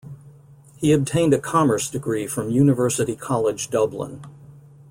He obtained a Commerce degree from University College Dublin.